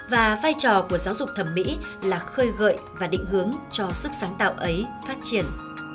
và vai trò của giáo dục thẩm mỹ là khơi gợi và định hướng cho sức sáng tạo ấy phát triển